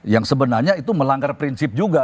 yang sebenarnya itu melanggar prinsip juga